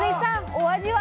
お味は？